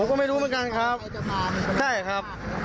ผมก็ไม่รู้เหมือนกันครับ